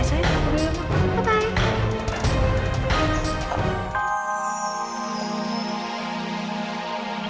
ayah saya sama denganmu